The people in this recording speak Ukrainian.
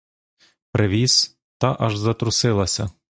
Привіз, — та аж затрусилася.